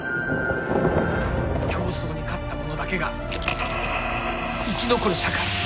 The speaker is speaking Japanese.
競争に勝った者だけが生き残る社会。